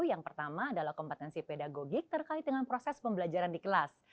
yang pertama adalah kompetensi pedagogik terkait dengan proses pembelajaran di kelas